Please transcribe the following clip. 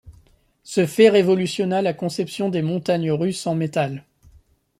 Ce fait révolutionna la conception des montagnes russes en métal.